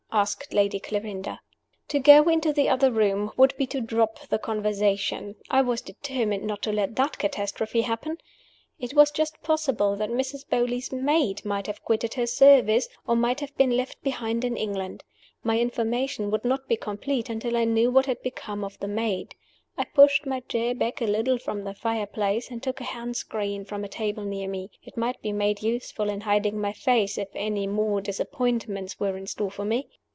asked Lady Clarinda. To go into the other room would be to drop the conversation. I was determined not to let that catastrophe happen. It was just possible that Mrs. Beauly's maid might have quitted her service, or might have been left behind in England. My information would not be complete until I knew what had become of the maid. I pushed my chair back a little from the fire place, and took a hand screen from a table near me; it might be made useful in hiding my face, if any more disappointments were in store for me.